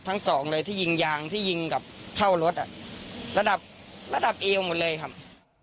ทั้งสองเลยที่ยิงยางที่ยิงกับเข้ารถอ่ะระดับระดับเอวหมดเลยครับ